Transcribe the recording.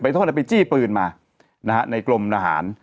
ไปจี้ปืนมานะครับในกลมอาหาร